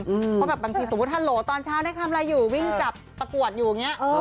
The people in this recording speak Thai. เพราะแบบบางทีสมมุติฮัลโหลตอนเช้าได้ทำอะไรอยู่วิ่งจับตะกรวดอยู่อย่างนี้